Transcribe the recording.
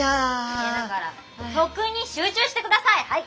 いやだから曲に集中してください。